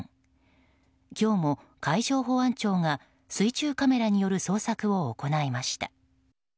今日も海上保安庁が水中カメラによる捜索を行いました。